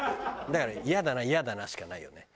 だからイヤだなイヤだなしかないよね。